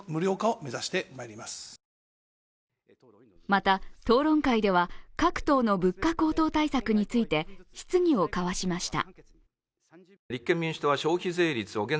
また、討論会では各党の物価高騰対策について質疑を交わしました。